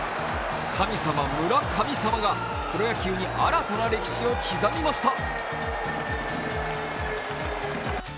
神様・村神様がプロ野球に新たな歴史を刻みました。